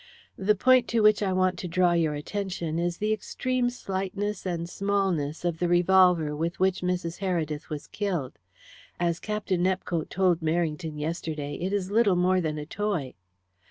The point to which I want to draw your attention is the extreme slightness and smallness of the revolver with which Mrs. Heredith was killed. As Captain Nepcote told Merrington yesterday, it is little more than a toy."